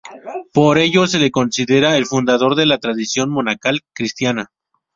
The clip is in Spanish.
Por ello, se le considera el fundador de la tradición monacal cristiana.